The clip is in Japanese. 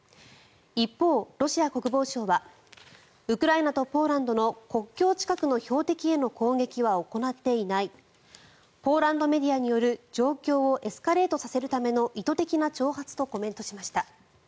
一方、ロシア国防省はウクライナとポーランドの国境近くの標的への攻撃は行っていないポーランドメディアによる状況をエスカレートさせるための意図的な挑発とコメントしました。